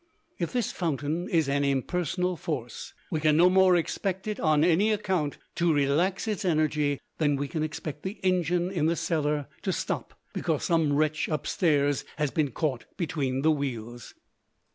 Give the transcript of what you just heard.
If this fountain is an impersonal force, we can no more expect it, on any account, to relax its energy, than we can expect the engine in the cellar to stop because some wretch up stairs has been caught between the wheels.